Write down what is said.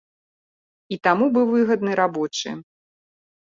І таму быў выгадны рабочы.